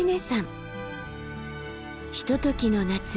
ひとときの夏